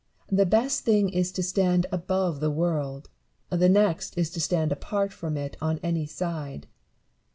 the best thing is to stand above the world ; the next is to stand apart from it on any side.